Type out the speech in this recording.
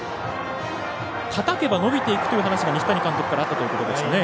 たたけば伸びていくという話が西谷監督からあったということです。